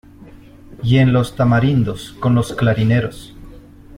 Y en los tamarindos, con los clarineros.